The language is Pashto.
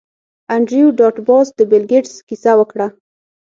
انډریو ډاټ باس د بیل ګیټس کیسه وکړه